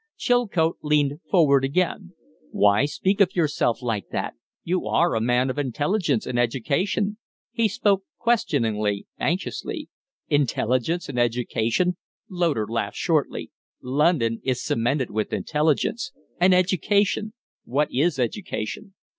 Chilcote leaned forward again. "Why speak of yourself like that? You are a man of intelligence and education." He spoke questioningly, anxiously. "Intelligence and education!" Loder laughed shortly. "London is cemented with intelligence. And education! What is education?